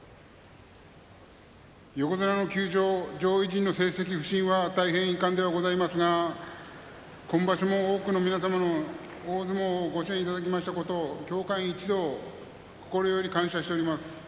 横綱の休場、上位陣の成績不振は大変、遺憾ではございますが今場所も、多くの皆様に大相撲をご支援いただきましたことに協会員一同心より感謝しております。